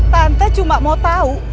tante cuma mau tahu